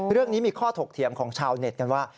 เรื่องนี้มีข้อถกเถียงของชาวเน็ตกันว่า